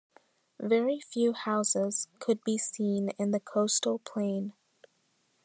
Very few houses could be seen in the coastal plain.